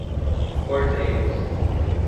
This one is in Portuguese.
Cordeiros